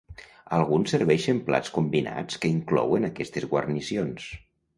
Alguns serveixen plats combinats que inclouen aquestes guarnicions.